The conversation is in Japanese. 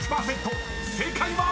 ［正解は⁉］